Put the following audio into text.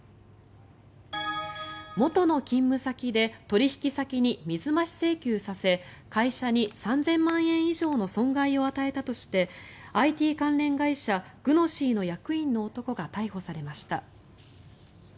元の勤務先で取引先に水増し請求させ会社に３０００万円以上の損害を与えたとしてＩＴ関連会社Ｇｕｎｏｓｙの役員の男が逮捕されました。